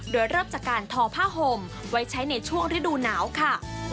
โดยเริ่มจากการทอผ้าห่มไว้ใช้ในช่วงฤดูหนาวค่ะ